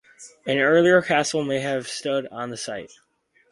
An earlier castle may have stood on the site.